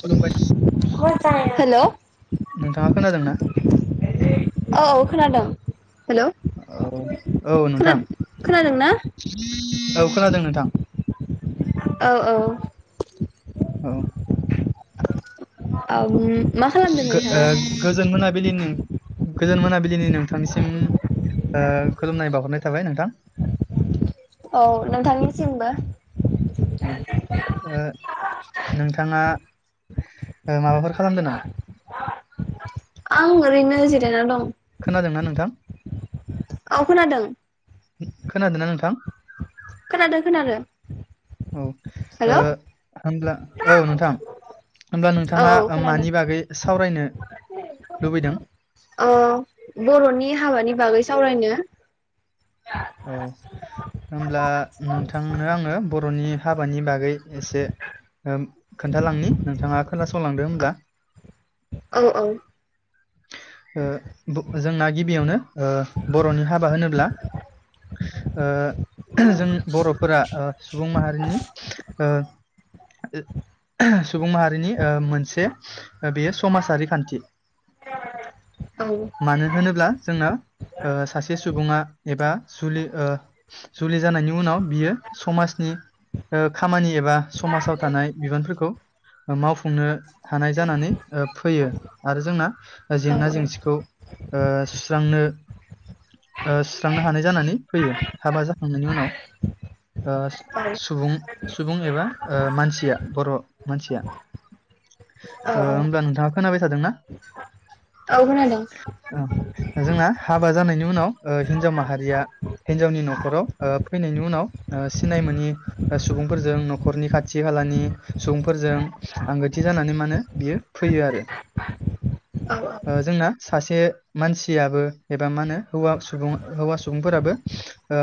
खुलुमबाय हेल' औ नोंथाङा खोनादोंना औ खोनादों। हेल' औ औ खोना नोंथां खोनादोंना औ खोनादों नोंथां। औ औ। औ। आं गोजोन मोनाबिलि नों गोजोन मोनाबलिनि नों थांसिम ओ खुलुमनाय बावहरनाय थाबाय नोंथां। औ नोंथांनिसिमबो औ ओ नोंथाङा माबाफोर खालामदों नामा? आं ओरैनो जिरायना दं। खोनादोंना नोंथां औ खोनादों खोनादोंना नोंथां? खोनादों खोनादों औ हेल' ओ औ होमब्ला औ नोंथां होमब्ला औ नोंथाङा खोनादों मानि बागै सावरायनो लुबैदों? अ बर'नि हाबानि बागै सावरायनो औ। होमब्ला नोंथांनो आङो बर बर'नि हाबानि बागै एसे ओ खोनथालांनि नोंथाङा खोना सं संलांदो होमब्ला। औ औ। ओ बो जोंना गिबियावनो बर'नि हाबा होनोब्ला ओ जों बर'फोरा सुबुं माहारिनि ओ सुबुं माहारिनि ओ मोनसे बेयो समाजारि खान्थि। मानो होनोब्ला जोंना सासे सुबुङा एबा जुलि ओ जुलि जानायनि उनाव बियो समाजनि खामानि एबा समाजाव थानाय बिबानफोरखौ मावफुंनो हानाय जानानै ओ फैयो आरो जोंना औ जेंना जेंसिखौ ओ सुस्रांनो ओ सुस्रांनो हानाय जानानै फैयो हाबा जाखांनायनि उनाव ओ सुबुं सुबुं एबा मानसिया बर' मानसिया। औ ओ होमब्ला नोंथांआ खोनाबाय थादोंना? औ खोनादों। औ जोंना हाबा जानायनि उनाव ओ हिनजाव मा हारिया हिनजावनि न'खराव ओ फैनायनि उनाव ओ सिनाय मोनि सुबुंफोरजों न'खरनि खाथि खालानि सुबुंफोरजों आंगोथि जानानै मा होनो बियो फैयो आरो। औ ओ जोंना सासे मानसियाबो एबा मा होनो हौवा सुबुं हौवा सुबुंफोराबो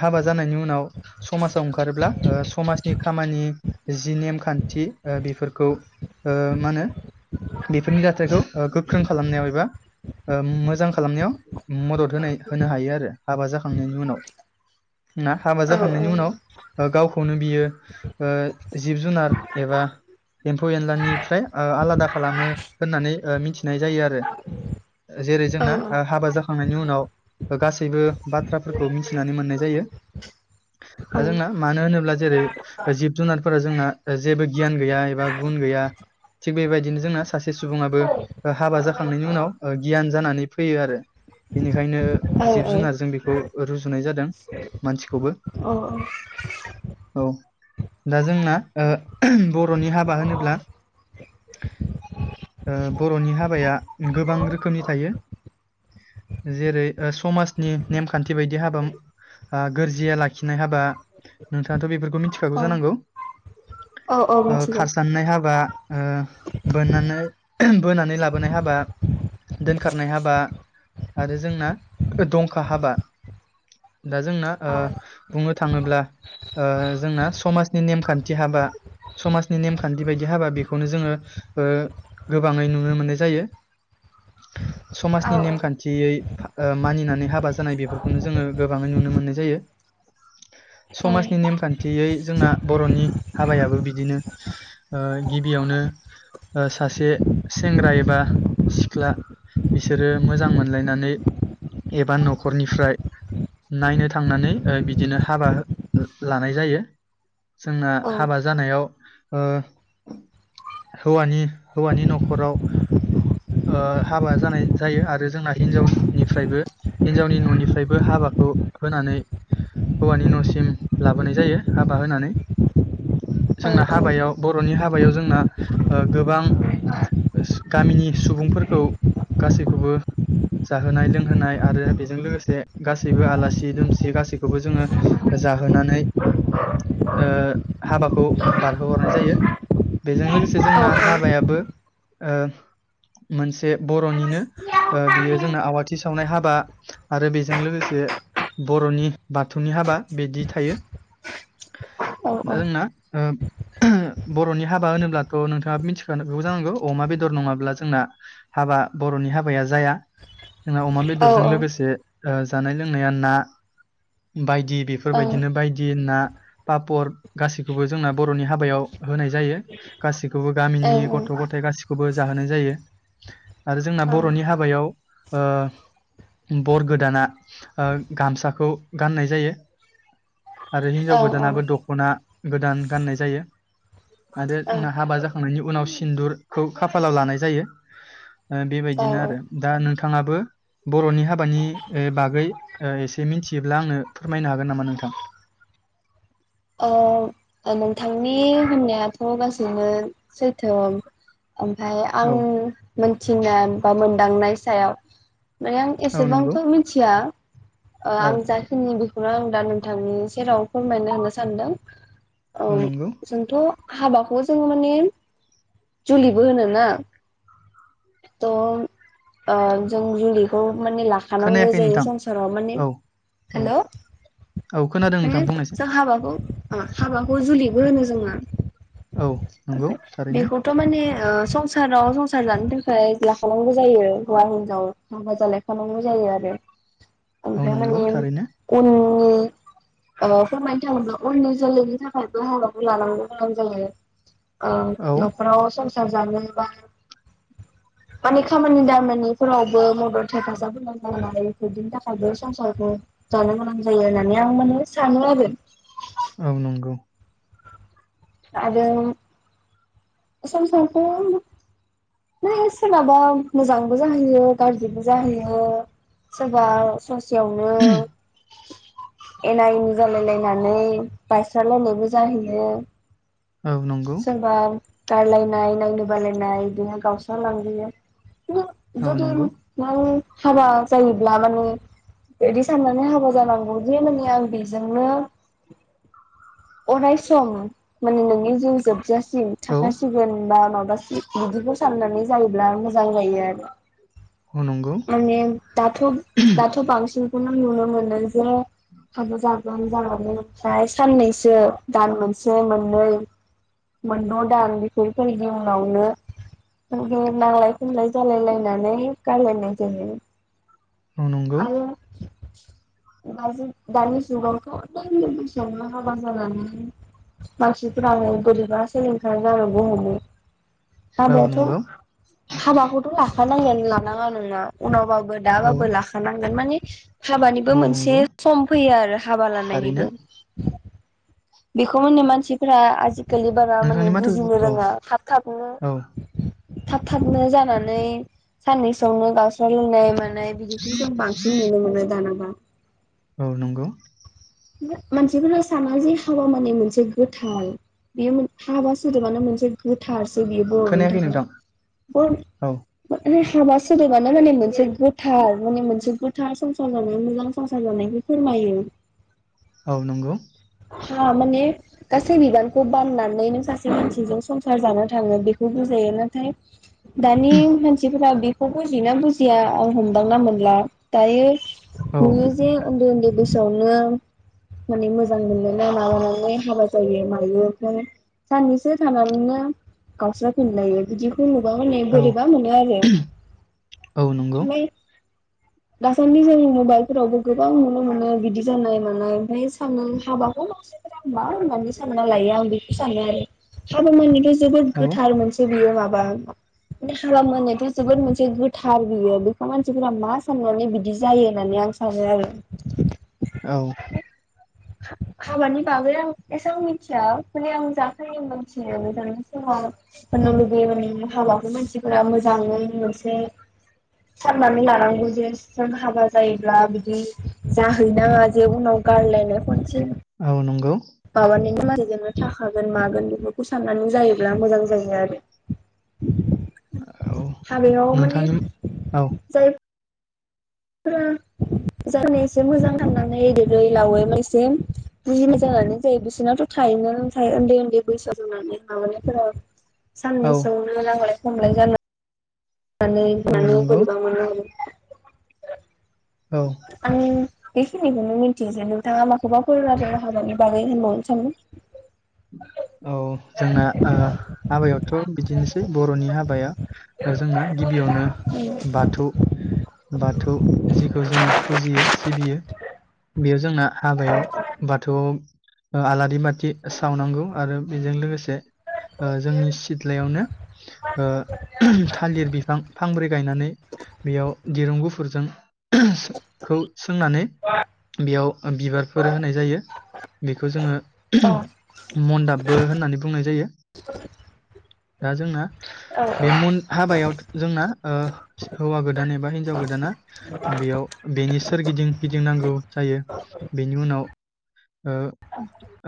हाबा जानायनि उनाव समाजाव ओंखारोब्ला ओ समाजनि खामानि जि नेमखान्थि ओ बेफोरखौ ओ मा होनो बेफोरनि दाथाइखौ ओ गोख्रों खालामनायाव एबा ओ मोजां खालामनायाव मदद होनाय होनो हायो आरो। हाबा जाखांनायनि उनाव। ना हाबा औ जाखांनायनि उनाव। ओ गावखौनो बियो ओ जिब जुनार एबा एम्फौ एनलानिफ्राय ओ आलादा खालामो होननानै ओ मिथिनाय जायो आरो। जेरै औ जोंना आ हाबा जाख खांनायनि उनाव गासैबो बाथ्राफोरखौ मिथिनानै मोननाय जायो। दा जोंना मानो होनोब्ला जेरै जिब जुनारफोरा जोंना जेबो गियान गैया एबा गुन गैया थिग बेबायदिनो जोंना सासे सुबुङाबो हाबा जाखांनायनि उनाव गियान जानानै फैयो आरो बेनिखायनो जिब जुनार खौ रुजुनाय जादों मानसिखौबो। औ औ दा जोंना ओ बर'नि हाबा होनोब्ला ओ बर'नि हाबाया गोबां रोखोमनि थायो। जेरै ओ समाज नि नेम खान्थि बायदि हाबा आ गोरजिया लाखिनाय हाबा नोंथाङाथ' बेफोर खौ मिनथिखागौ औ जानांगौ? औ औ ओ मिथिगौ खारसारनाय हाबा ओ बोननानै बोनानै लाबोनाय हाबा दोनखारनाय हाबा आरो जोंना ओ दंखा हाबा दा जोंना ओ औ बुंनो थाङोब्ला ओ जोंना समाजनि नेमखान्थि हाबा समाजनि नेमखान्थि बायदि हाबा बेखौनो जोङोओ ओ गोबाङै नुनो मोननाय जायो औ समाजनि नेमखान्थियै फा ओ मानिनानै हाबा जानाय बेफोरखौनो जोङो गोबाङै नुनो मोननाय जायो औ समाजनि नेमखान्थियै जोंना बर'नि हाबायाबो बिदिनो ओ गिबियावनो सासे सेंग्रा एबा सिख्ला बिसोरो मोजां मोनलायनानै एबा न'खरनिफ्राय नायनो थांनानै ओ बिदिनो हाबा लानाय जायो जोंना हाबा जानायाव ओ हौवानि हौवानि न'खराव ओ हाबा जानाय जायो आरो जोंना हिन्जाव निफ्रायबो हिनजावनि न'निफ्रायबो हाबाखौ होनानै हौवानि न'सिम लाबोनाय जायो हाबा होनानै जोंना औ हाबायाव बर'नि हाबायाव जोंना ओ गोबां गामिनि सुबुंफोरखौ गासैखौबो जाहोनाय लोंहोनाय आरो बेजों लोगोसे गासैबो आलासि दुमसि गासैखौबो जोङो जाहोनानै ओ हाबाखौ बारहोहरनाय जायो बेजों लोगोसे जोंना हाबायाबो ओ मोनसे बर'निनो औ ओ बियो जोंना आवाथि सावनाय हाबा आरो बेजों लोगोसे बर'नि बाथौनि हाबा बिदि थायो दा औ जोंना ओ बर'नि हाबा होनोब्लाथ' नोंथाङा मिथिखागौ जानांगौ अमा बेदर नङाब्ला जोंना हाबा बर'नि हाबाया जाया जोंना अमा ओं बेदरजों ओं लोगोसे ओ जानाय लोंनाया ना बाय दि बेफोरबायदिनो बायदि ना पापर गासिखौबो जोंना बर'नि हाबायाव होनाय जायो गासि खौबो गामिनि ओं औ गथ' गासिखौबो जाहोनाय जायो आरो जोंना औ बर'नि हाबायाव ओ बर गोदाना ओ गामसाखौ गाननाय जायो आरो हिन्जाव गोदानाबो दख'ना गोदान गाननाय जायो आरो जोंना हाबा जाख खांनायनि उनाव सिन्दुरखौ खाफालाव लानाय जायो ओ ओं औ बेबायदिनो आरो दा नों थाङाबो बर'नि हाबानि ओ बागै ओ एसे मिथियोब्ला आंनो फोरमायनो हागोन नामा नोंथां? ओ नोंथांनि होननायाथ' गासैनो सैथो ओं ओमफाय आं औ मोनथिनान बा मोन दांनाय सायाव माने आं औ नंगौ एसेबांथ' मिथिया ओ औ आं जा खिनि बै खौनो आं दा नोंथांनि सेराव फोरमायनो होनना सान्दों औ जोंथ' हाबाखौ जोङो माने जुलिबो होनोना त' ओ जों जुलिखौ माने लाखानांगौ खोनायाखै जायो नोंथां संसाराव माने औ औ हेलौ औ खोनादों माने नोंथां बुंनायसै जों हाबाखौ अ हाबाखौ जुलिबो होनो जोना औ नंगौ थारैनो माने ओ संसाराव संसार जानो था खाय लाखानांगौ जायो हौवा हिनजाव हाबा जालायखानांगौ जायो आरो औ ओमफ्राय नंगौ माने थारैनो उन अ ओ फोरमायनो थाङोब्ला उननि जोलैनि थाखायबो हाबाखौ लालांनो गोनां जायो। ओ औ नख'राव सं सार जानो बा माने खामानि दामानिफोरावबो मदद हेफाजाब गोनां जानाय बेफोरदिनि थाखायबो संसारखौ जानो गोनां जायो होननानै आं माने सानो आरो। औ नंगौ आरो संसारखौ है सोराबा मोजांबो जाहैयो गाज्रिबो जाहैयो सोरबा स सेयावनो एना एनि जालायलायनानै बायस्रालायनायबो जाहैयो। औ नंगौ सोरबा गारलायनाय नायनो बालायनाय बिदिनो गावस्रा लांबोयो। [unintelligible] औ जुदि नंगौ नायो हाबा जायोब्ला माने बिदि साननानै हाबा जानांगौ जे माने आं बेजोंनो अराय सम माने नोंनि जिउ जोबजासि सिम औ थाखासिगोन बा माब ब्लासि बिदिखौ साननानै जायोब्ला मोजां जायो आरो औ नंगौ माने दाथ' दाथ' बांसिन खौनो नुनो मोनो। जे हाबा जा [unintelligible] ओमफ्राय साननैसो दान मोनसे मोन मोननै मोनद' दान बेफोरफोरनि उनावनो नांलाय खमलाय जालायलायनानै गारलायनाय जायो। औ नंगौ। आरो दाजि दानि जुगावथ' उन्दै बैसोआवनो हाबा जानानै मानसिफोरानो बोरैबा सिलिंखार जालांनो हमो औ नंगौ हाबायाथ' हाबाखौथ' लाखानांगोन लानाङा नोंना उनाव बाब दा औ बाबो लाखा बुंगोन मानि हाबानिबो औ मोनसे नंगौ सम फैयो आरो हाबा थारैनो लानायनिबो। बेखौ मोननो मानसिफ्रा आजि खालि बारा माने नोंथांनि माथो बुजिनो औ रोङा थाब थाबनो। औ थाब थाबनो जानानै साननैसोआवनो गावस्रा लायनाय मा नाय बिदिखौ जों बांसिन नुनो मोनो दानाबा। औ नंगौ ओमफ्राय मानसिफोरा साना जे हाबा माने मोनसे गोथार बेयो हाबा सोदोबानो मोनसे गोथार। जे बियो बर'नि खोनायाखै थाखाय नोंथां बर' औ माने हाबा सोदोबानो माने मोनसे गोथार माने मोनसे गोथार संसार जानाय मोजां संसार जानायखौ फोरमायो। औ नोंगौ। हा माने गासै बिबानखौ बाननानैनो सासे मानसिजों संसार जानो थाङो बेखौ बुजायो नाथाय दानि मानसिफोरा बे खौ बुजियोना बुजिया आं हमदांना मोनला‌ दायो औ नोङो जे उन्दै उन्दै बैसोयावनो माने मोजां मोनलायना माबानानै हाबा जायो मायो ओमफ्राय साननैसो थानानैनो गावस्राफिनलायो बिदि खौ नुबा माने औ बोरैबा मोनो आरो औ नंगौ ओमफ्राय। दासान्दि जोंनि मबाइलफोरावबो गोबां नुनो मोनो बिदि जानाय। मानाय ओमफ्राय सानो हाबाखौ मानसिफोरा मा होननानै सानना लायो आं बेखौ सानो आरो। [unintelligible] जोबोद औ गोथार मोनसे बियो मा बा हाबा खालामनायथ' जोबोद मोनसे गोथार बियो बेखौ मानसिफोरा मा साननानै बिदि जायो होननानै आं सानो आरो। औ हा-हाबानि बागै आं एसेबां मिथिया माने आं जाखिनि मोनथिनो मोजांनि समाव होननो लुुबैयो माने हाबाखौ मानसिफोरा मोजाङै मोनसे साननानै लानांगौ जे जों हाबा जायोब्ला बिदि जाहैनाङा जे उनाव गारलायनो मोनसे औ नंगौ। [unintelligible] थाखागोन मागोन बेफोरखौ साननानै जायोब्ला मोजां जायो आरो। औ हाबायाव माने नोंथांनि औ जाय जा एसे मोजां खालामनानै देरै लावै एसे बुजिनाय जानानै जायो बिसोरनाथ' थायोमोन ओमफ्राय उन्दै उन्दै बैसोआव जानानै माबानायफोरा औ साननैसोयावनो नांलाय खमलाय जायो। औ मानानै नंगौ बोरैबा मोनो आरो। औ आं बेखिनिखौनो मिथिसै नोंथाङा माखौबा फोरमायना हानो हागोन हाबानि बागै होनबावनो सिनो? औ जोंना ओ हाबायावथ' बिदिनोसै बर'नि हाबाया। जोंना गिबियावनो बाथौ बाथौ जिखौ जोङो फुजियो सिबियो बेयाव जोंना हाबायाव बाथौ ओ आलारि बाथि सावनांगौ आरो बेजों लोगोसे ओ जोंनि सिथ्लायावनो ओ थालिर बिफां फांब्रै गायनानै बेयाव दिरुं गुफुर फोरजों खौ सोंनानै बेयाव बिबारफोर होनाय जायो। बेखौ जोङो औ मन्दाबबो होननानै बुंङो। जायो दा जोंना औ बे मन हाबायाव जोंना ओ हौवा गोदान एबा हिन्जाव गोदाना बेयाव बेनि [unintelligible] सोरगिदिं गिदिंनांगौ जायो बेनि उनाव ओ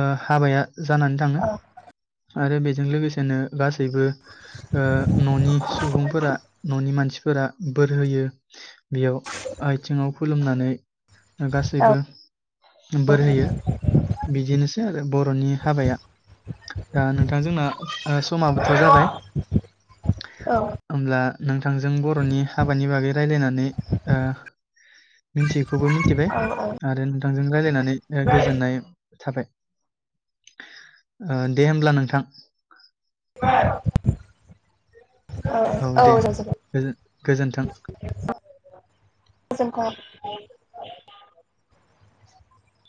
ओ हाबाया जानानै थाङो औ आरो बेजों लोगोसेनो गासै बो ओ न'नि सुबुंफोरा न'नि मानसि फोरा बोर होयो बेयाव आथिङाव खुलुमनानै गासैबो बोर होयो बिदिनो आरो बर'नि हाबाया दा नोंथां जोंना ओ समाबोथ' जाबाय औ ओमब्ला [unintelligible] रांजों बर'नि हाबानि बागै रायजलायनानै ओ मिथियैखौबो मिथिबाय औ आरो रायलायनानै ओ गोजोननाय थाबाय। ओ दे होमब्ला नोंथां। [unintelligible] औ दे गोजोन गोजोन्थों। औ [unintelligible]